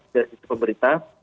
dari sisi pemerintah